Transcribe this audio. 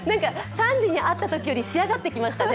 ３時に会ったときより仕上がってきましたね。